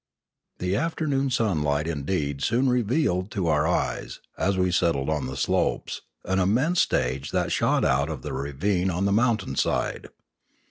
The afternoon sunlight indeed soon revealed to our eyes, as we settled on the slopes, an immense stage that shot out of the ravine on the mountain side.